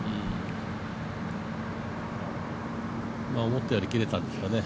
思ったより切れたんですかね。